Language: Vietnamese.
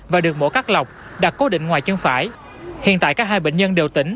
và được mổ cắt lọc đặt cố định ngoài chân phải hiện tại các hai bệnh nhân đều tỉnh